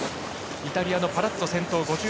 イタリアのパラッツォが先頭。